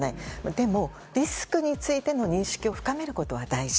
でも、リスクについての認識を深めることは大事。